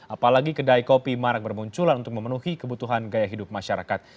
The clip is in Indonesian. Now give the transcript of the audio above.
apalagi kedai kopi marak bermunculan untuk memenuhi kebutuhan gaya hidup masyarakat